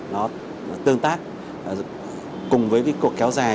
nó tương tác cùng với cuộc kéo dài